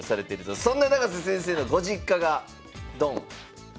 そんな永瀬先生のご実家がドン。